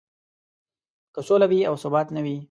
که سوله وي او ثبات نه وي.